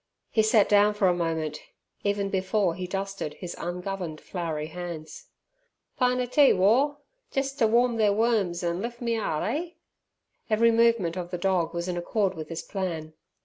He sat down for a moment, even before he dusted his ungoverned floury hands. "Pint a tea, War, jes' t' warm ther worms an' lif' me 'art, eh!" Every movement of the dog was in accord with this plan.